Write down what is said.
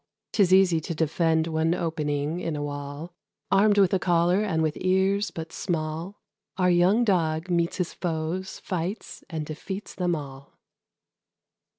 'Tis easy to defend one opening in a wall; Armed with a collar, and with ears but small, Our young Dog meets his foes, fights, and defeats them all.